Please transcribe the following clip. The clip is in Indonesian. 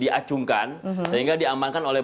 diacungkan sehingga diamankan oleh